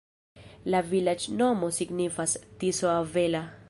La vilaĝnomo signifas: Tiso-avela.